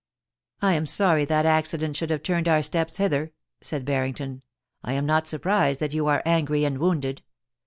* I am sorry that accident should have turned our steps hither,' said Barrington. * I am not surprised that you are angry and wounded.